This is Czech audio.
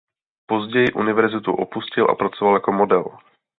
Později univerzitu opustil a pracoval jako model.